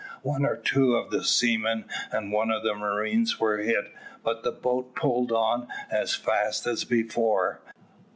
One or two of the seamen and one of the marines were hit, but the boat pulled on as fast as before.